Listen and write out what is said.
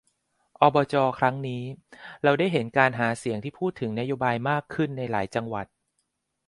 อบจ ครั้งนี้ เราได้เห็นการหาเสียงที่พูดถึงนโยบายมากขึ้นในหลายจังหวัด